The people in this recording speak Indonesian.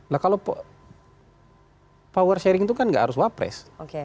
nah kalau power sharing itu kan nggak harus wapres